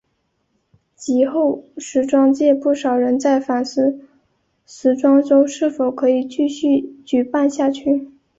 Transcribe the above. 及后时装界不少人在反思时装周是否可以继续举办下去。